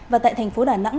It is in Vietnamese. và tại thành phố đà nẵng